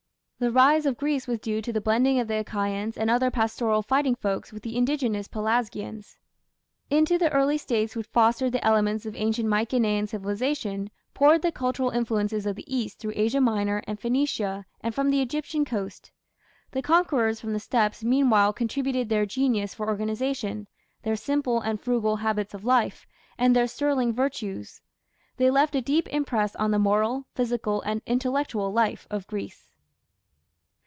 The rise of Greece was due to the blending of the Achaeans and other pastoral fighting folks with the indigenous Pelasgians. Into the early States which fostered the elements of ancient Mykenaean civilization, poured the cultural influences of the East through Asia Minor and Phoenicia and from the Egyptian coast. The conquerors from the steppes meanwhile contributed their genius for organization, their simple and frugal habits of life, and their sterling virtues; they left a deep impress on the moral, physical, and intellectual life of Greece.